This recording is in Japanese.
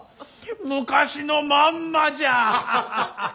昔のまんまじゃ。